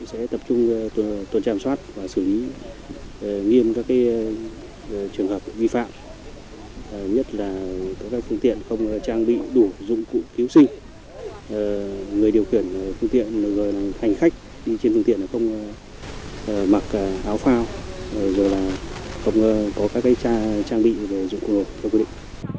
sẽ tập trung tuần tràm soát và xử lý nghiêm các trường hợp vi phạm nhất là các phương tiện không trang bị đủ dụng cụ cứu sinh người điều kiện phương tiện người hành khách trên phương tiện không mặc áo phao rồi là không có các trang bị dụng cụ nộp theo quy định